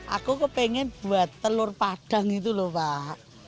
aku pengen buat telur padang itu lho pak